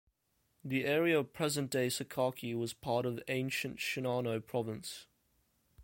The area of present-day Sakaki was part of ancient Shinano Province.